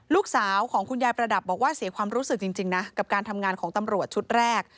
ลูกชายของคุณยายประดับบอกว่าเสียความรู้สึกจริงนะกับการทำงานของตำรวจชุดแรก